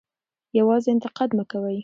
یوازې انتقاد مه کوئ.